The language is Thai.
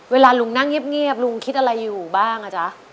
เวลาลุงนั่งเงียบลุงคิดอะไรอยู่บ้างอ่ะจ๊ะ